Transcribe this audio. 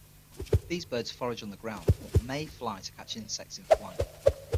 These birds forage on the ground, but may fly to catch insects in flight.